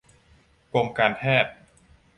กรมการแพทย์